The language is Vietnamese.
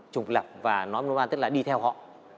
trụng lập và nói một lời tức là đi theo họ